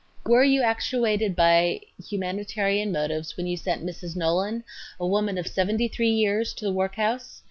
Q. Were you actuated by humanitarian motives when you sent Mrs. Nolan, a woman of 73 years, to the workhouse?